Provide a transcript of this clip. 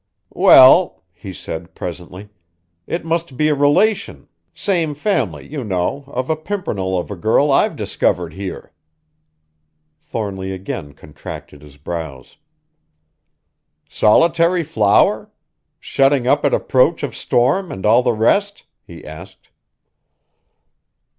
"Well," he said presently, "it must be a relation, same family, you know, of a pimpernel of a girl I've discovered here." Thornly again contracted his brows. "Solitary flower? Shutting up at approach of storm, and all the rest?" he asked.